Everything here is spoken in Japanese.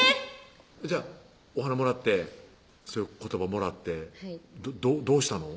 じゃあお花もらってそういう言葉もらってどうしたの？